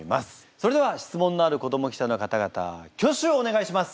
それでは質問のある子ども記者の方々挙手をお願いします。